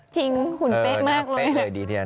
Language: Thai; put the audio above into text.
จริงหุ่นเป๊ะมากเลย